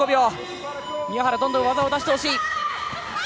宮原、どんどん技を出してほしい。